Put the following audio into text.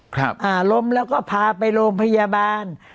อ่าล้มแล้วก็พาไปโรงพยาบาล